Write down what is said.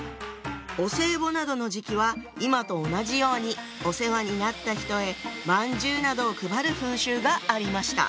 お歳暮などの時期は今と同じようにお世話になった人へまんじゅうなどを配る風習がありました。